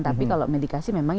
tapi kalau medikasi memang